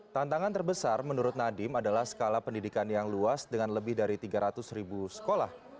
tantangan terbesar menurut nadiem adalah skala pendidikan yang luas dengan lebih dari tiga ratus ribu sekolah